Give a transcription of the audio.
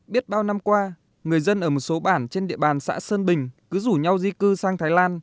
biết bao năm qua người dân ở một số bản trên địa bàn xã sơn bình cứ rủ nhau di cư sang thái lan